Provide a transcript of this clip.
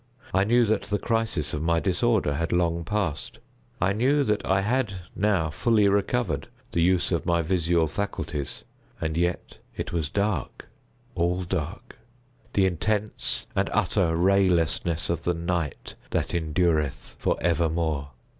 I knew that the crisis of my disorder had long passed. I knew that I had now fully recovered the use of my visual faculties—and yet it was dark—all dark—the intense and utter raylessness of the Night that endureth for evermore.